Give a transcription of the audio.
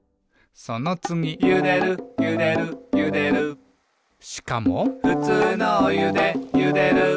そのつぎ「ゆでるゆでるゆでる」しかも「ふつうのおゆでゆでる」